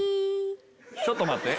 ちょっと待って。